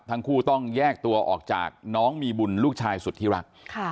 ทั้งคู่ต้องแยกตัวออกจากน้องมีบุญลูกชายสุดที่รัก